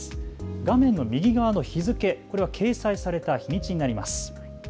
画面の右側の日付、これは掲載された日にちになります。